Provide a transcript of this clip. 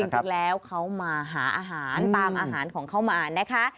จริงแล้วเขามาหาอาหารตามอาหารของเขามานะคะ